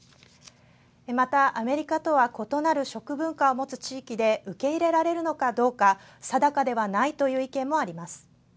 また、アメリカとは異なる食文化をもつ地域で受け入れられるのかどうか定かではないという意見もあります。